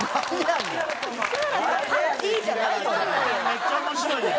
めっちゃ面白いやん。